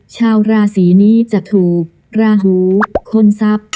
ชาวราศีนี้จะถูกราหูค้นทรัพย์